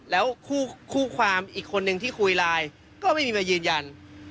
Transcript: แล้วคู่ความอีกคนนึงที่คุยไลน์ก็ไม่มีมายืนยัน